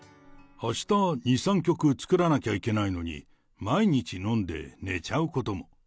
あした、２、３曲作らなきゃいけないのに、毎日飲んで寝ちゃうことも。